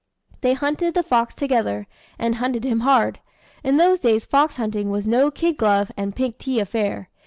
They hunted the fox together, and hunted him hard. In those days fox hunting was no kid glove and pink tea affair.